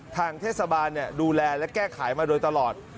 ทางเทศบาลดูแลและแก้ไขมาโดยตลอด